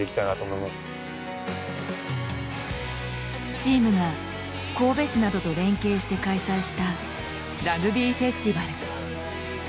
チームが神戸市などと連携して開催したラグビーフェスティバル。